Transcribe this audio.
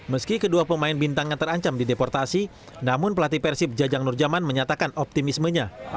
meski kedua pemain bintangnya terancam di deportasi namun pelatih persib jajang nurjaman menyatakan optimismenya